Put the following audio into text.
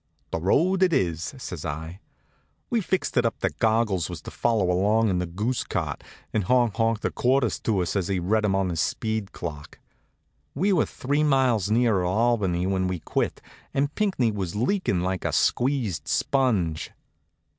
"The road it is," says I. We fixed it up that Goggles was to follow along with the goose cart and honk honk the quarters to us as he read 'em on his speed clock. We were three miles nearer Albany when we quit, and Pinckney was leakin' like a squeezed sponge.